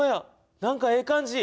何かええ感じ。